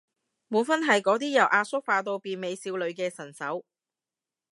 滿分係嗰啲由阿叔化到變美少女嘅神手